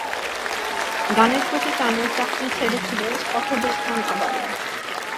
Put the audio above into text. গানের প্রতি টানে চাকরি ছেড়ে-ছুড়ে পথে বের হন আবারও।